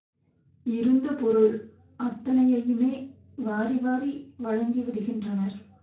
இருந்த பொருள் அத்தனையையுமே வாரி வாரி வழங்கி விடுகின்றனர்.